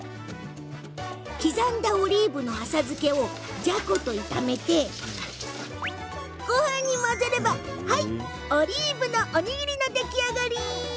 刻んだオリーブの浅漬けをじゃこと炒めてごはんに混ぜればオリーブのおにぎり。